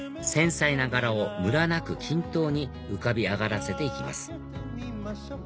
繊細な柄をむらなく均等に浮かび上がらせて行きます